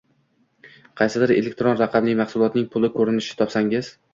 Qaysidir elektron-raqamli mahsulotning pulli ko’rinishini topsangiz